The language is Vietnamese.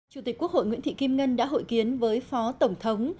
chủ tịch quốc hội nguyễn thị kim ngân đã hội kiến với phó tổng thống